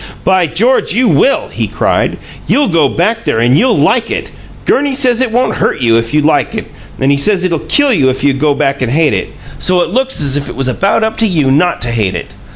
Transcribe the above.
"By George, you will!" he cried. "You'll go back there and you'll like it! Gurney says it won't hurt you if you like it, and he says it'll kill you if you go back and hate it; so it looks as if it was about up to you not to hate it.